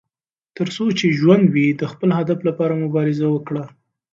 تر څو چې ژوند وي، د خپل هدف لپاره مبارزه وکړه.